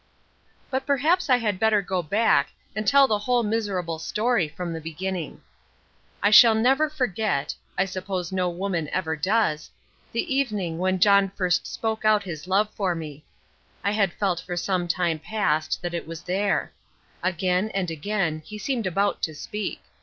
But perhaps I had better go back and tell the whole miserable story from the beginning. I shall never forget I suppose no woman ever does the evening when John first spoke out his love for me. I had felt for some time past that it was there. Again and again, he seemed about to speak.